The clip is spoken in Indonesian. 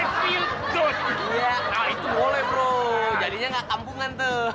iya nah itu boleh bro jadinya gak kampungan tuh